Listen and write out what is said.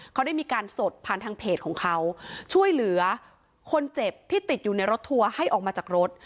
เขาได้มีการสดผ่านทางเพจของเขาช่วยเหลือคนเจ็บที่ติดอยู่ในรถทัวร์ให้ออกมาจากรถ